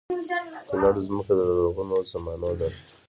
کونړ ځمکه د لرغونو زمانو ده